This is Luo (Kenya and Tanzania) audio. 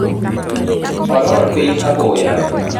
Olor piny apoya